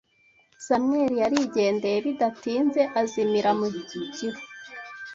Samuel yarigendeye, bidatinze azimira mu gihu.